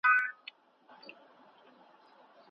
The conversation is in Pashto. خو پوهېږم چی زړگی مي غولومه